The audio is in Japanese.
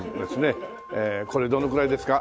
これどのぐらいですか？